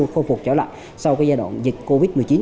khôi phục trở lại sau giai đoạn dịch covid một mươi chín